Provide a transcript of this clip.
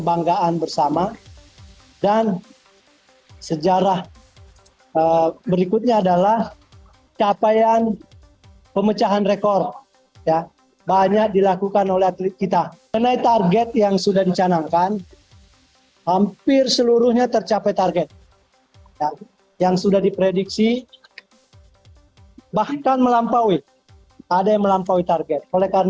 pada jumpa pers yang digelar di headquarter indonesia morodok teko sports complex